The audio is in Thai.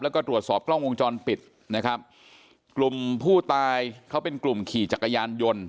แล้วก็ตรวจสอบกล้องวงจรปิดนะครับกลุ่มผู้ตายเขาเป็นกลุ่มขี่จักรยานยนต์